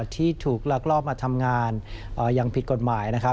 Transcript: ที่ถูกลากลอบมาทำงานยังผิดกฎหมาย